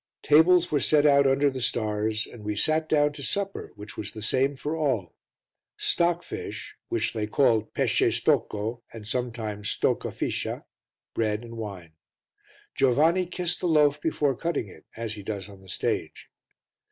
Tables were set out under the stars and we sat down to supper which was the same for all: stock fish (which they called pesce stocco and sometimes stocca fiscia), bread and wine. Giovanni kissed the loaf before cutting it, as he does on the stage.